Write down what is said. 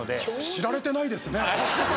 知られてないですね。